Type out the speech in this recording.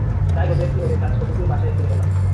তাই ওদেরকে ওদের কাজ করতে দিয়ে বাসায় ফিরে এলাম।